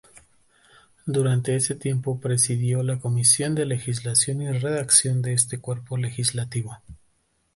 Durante ese tiempo presidió la Comisión de Legislación y Redacción de ese cuerpo legislativo.